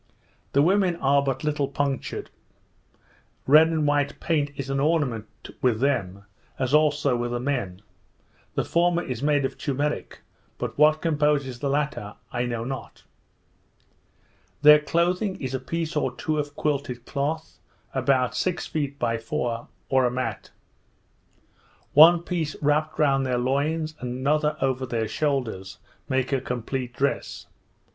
The women are but little punctured; red and white paint is an ornament with them, as also with the men; the former is made of turmeric, but what composes the latter I know not. Their clothing is a piece or two of quilted cloth, about six feet by four, or a mat. One piece wrapped round their loins, and another over their shoulders, make a complete dress.